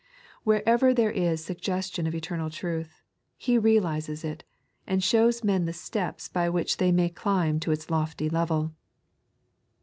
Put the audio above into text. WhereTer there is suggeetion of eternal truth, He realizes it, and shows men the steps by which they may climb to its lofty level.